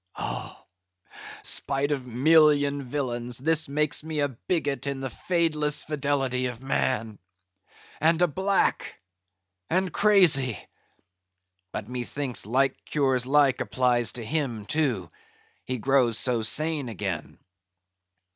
"Oh! spite of million villains, this makes me a bigot in the fadeless fidelity of man!—and a black! and crazy!—but methinks like cures like applies to him too; he grows so sane again."